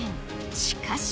しかし。